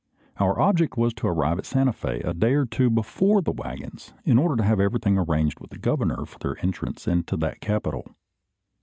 Our object was to arrive at Santa Fe a day or two before the waggons, in order to have everything arranged with the Governor for their entrance into that capital.